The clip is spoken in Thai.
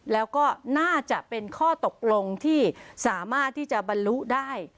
แล้วก็น่าจะเป็นข้อตกลงที่สามารถที่จะบรรลุได้